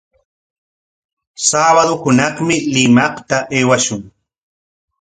Sabado hunaqmi Limaqta aywashun.